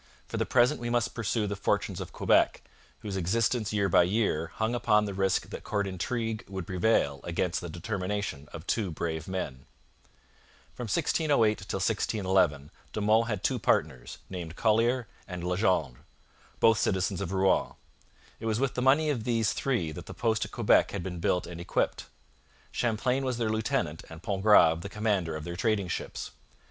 For the present we must pursue the fortunes of Quebec, whose existence year by year hung upon the risk that court intrigue would prevail against the determination of two brave men. From 1608 till 1611 De Monts had two partners, named Collier and Legendre, both citizens of Rouen. It was with the money of these three that the post at Quebec had been built and equipped. Champlain was their lieutenant and Pontgrave the commander of their trading ships.